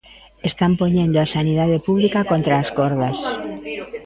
Están poñendo a sanidade pública contra as cordas.